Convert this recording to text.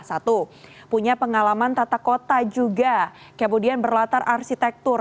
satu punya pengalaman tata kota juga kemudian berlatar arsitektur